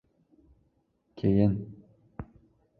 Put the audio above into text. Keyin…